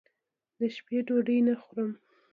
دشپې ډوډۍ نه خورم